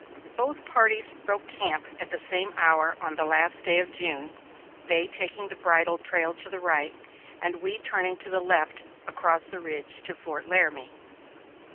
Both parties broke camp at the same hour on the last day of June, they taking the bridle trail to the right, and we turning to the left across the ridge to Fort Laramie.